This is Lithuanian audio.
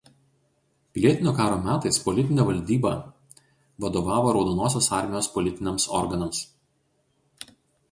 Pilietinio karo metais Politinė valdyba vadovavo Raudonosios Armijos politiniams organams.